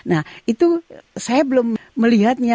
nah itu saya belum melihatnya